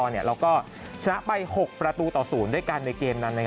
แล้วก็ชนะไป๖ประตูต่อ๐ด้วยกันในเกมนั้น